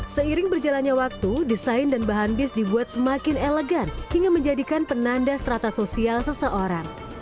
seiring berjalannya waktu desain dan bahan bis dibuat semakin elegan hingga menjadikan penanda strata sosial seseorang